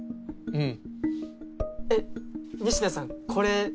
うん。